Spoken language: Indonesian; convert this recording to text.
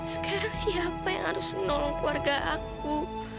sekarang siapa yang harus menolong keluarga aku